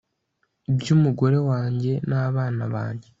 byumugore wanjye na bana bange